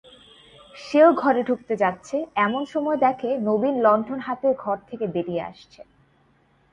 সেও ঘরে ঢুকতে যাচ্ছে এমন সময়ে দেখে নবীন লণ্ঠন হাতে ঘর থেকে বেরিয়ে আসছে।